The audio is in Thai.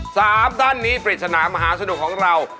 สามท่านนี้ปริศนามหาสนุกของเรา